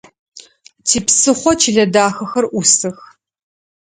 Типсыхъо чылэ дахэхэр ӏусых.